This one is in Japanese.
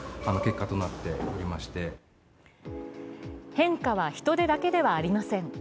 変化は人出だけではありません。